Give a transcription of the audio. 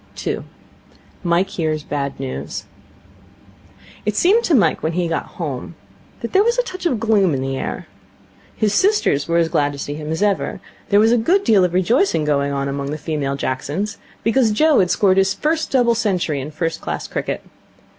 2. Mike Hears Bad News It seemed to Mike, when he got home, that there was a touch of gloom in the air. His sisters were as glad to see him as ever. There was a good deal of rejoicing going on among the female Jacksons because Joe had scored his first double century in first class cricket.